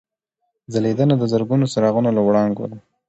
ځلېدنه د زرګونو څراغونو له وړانګو ده.